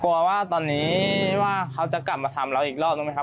กลัวว่าตอนนี้ว่าเขาจะกลับมาทำเราอีกรอบนึงไหมครับ